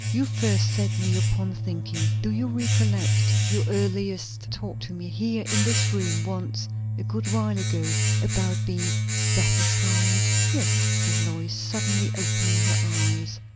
"You first set me upon thinking. Do you recollect your earliest talk to me here in this room once, a good while ago, about being satisfied?" "Yes," said Lois, suddenly opening her eyes.